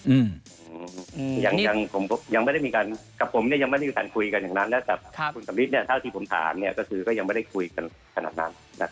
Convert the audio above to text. อืมยังไม่ได้มีการคุยกันอย่างนั้นแต่คุณสมฤทธิ์ถ้าที่ผมถามก็ยังไม่ได้คุยกันขนาดนั้น